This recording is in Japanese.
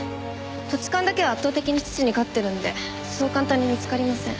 土地勘だけは圧倒的に父に勝ってるんでそう簡単に見つかりません。